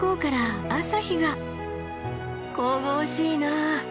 神々しいなあ。